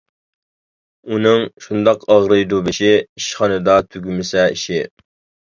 ئۇنىڭ شۇنداق ئاغرىيدۇ بېشى، ئىشخانىدا تۈگىمىسە ئىشى.